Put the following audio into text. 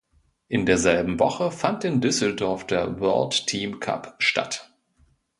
In derselben Woche fand in Düsseldorf der World Team Cup statt.